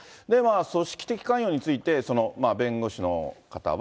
組織的関与について、弁護士の方は。